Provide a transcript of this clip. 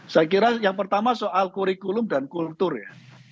saya kira yang pertama soal kurikulum dan kultur ya